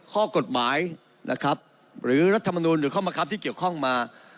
ข้อกฎหมายนะครับหรือรัฐมนูลหรือข้อมะครับที่เกี่ยวข้องมา